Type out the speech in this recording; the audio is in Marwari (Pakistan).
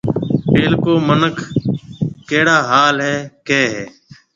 پيلڪو مِنک ڪهيَڙا حال هيَ ڪهيَ هيَ۔